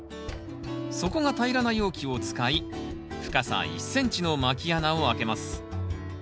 底が平らな容器を使い深さ１ｃｍのまき穴を開けます。